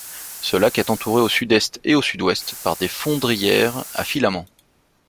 Ce lac est entouré au Sud-Est et au Sud-Ouest par des fondrières à filaments.